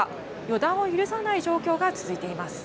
予断を許さない状況が続いています。